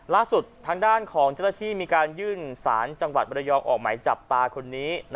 ล่าสุดทางด้านของเจ้าหน้าที่มีการยื่นสารจังหวัดบรยองออกหมายจับตาคนนี้